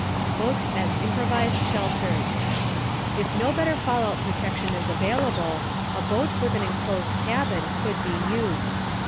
BOATS AS IMPROVISED SHELTERS If no better fallout protection is available, a boat with an enclosed cabin could be used.